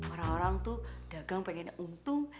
orang orang itu dagang pengennya untung